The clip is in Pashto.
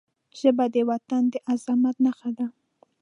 ژبه د وطن د عظمت نښه ده